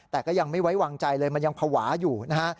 แต่ก็ยังไม่ไว้วางใจเลยมันยังภาวะอยู่นะฮะ